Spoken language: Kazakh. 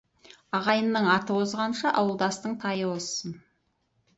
Ағайьнның аты озғанша, ауылдастың тайы озсын.